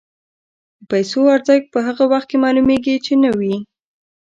د پیسو ارزښت په هغه وخت کې معلومېږي چې نه وي.